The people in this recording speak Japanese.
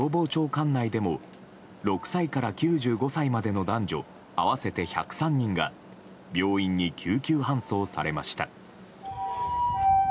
管内でも６歳から９５歳までの男女合わせて１０３人が病院に救急搬送されました。